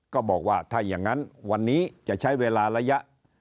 ก็บอกว่าถ้าอย่างนั้นวันนี้จะใช้เวลาระยะ